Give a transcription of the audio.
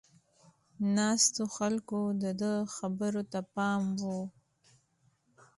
ناستو خلکو د ده خبرو ته پام و.